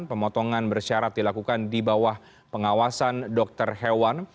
pemotongan bersyarat dilakukan di bawah pengawasan dokter hewan